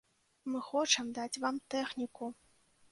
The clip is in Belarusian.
Мы хочам даць вам тэхніку!